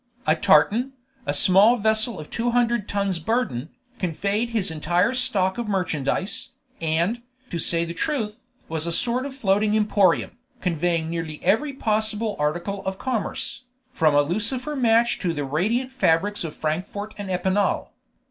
A tartan, a small vessel of two hundred tons burden, conveyed his entire stock of merchandise, and, to say the truth, was a sort of floating emporium, conveying nearly every possible article of commerce, from a lucifer match to the radiant fabrics of Frankfort and Epinal.